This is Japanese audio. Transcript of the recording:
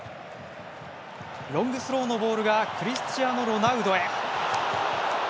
ロングスローのボールがクリスチアーノロナウドへ。